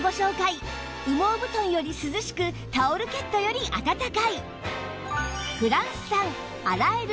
羽毛布団より涼しくタオルケットより暖かい